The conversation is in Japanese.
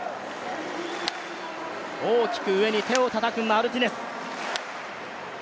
大きく上に手をたたくマルティネス。